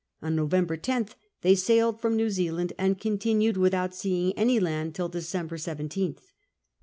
On November lOtli they sailed from New Zealainl, and continued without seeing any land till December 17th.